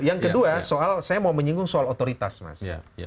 yang kedua soal saya mau menyinggung soal otoritas mas